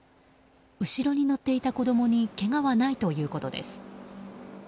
後ろに乗っていた子供にけがはないということです。